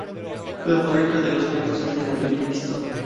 La fábrica de los petos es de ladrillo visto.